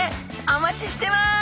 お待ちしてます！